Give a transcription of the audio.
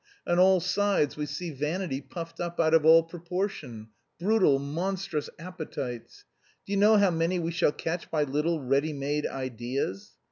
On all sides we see vanity puffed up out of all proportion; brutal, monstrous appetites.... Do you know how many we shall catch by little, ready made ideas?